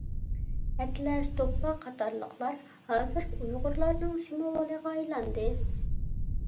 ئەتلەس، دوپپا قاتارلىقلار ھازىر ئۇيغۇرلارنىڭ سىمۋولىغا ئايلاندى.